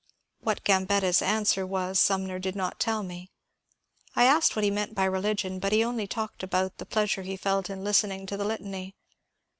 What Gambetta's answer was Sumner did not tell me. I asked what he meant by religion, but he only talked about the pleasure he felt in listening to the Litany.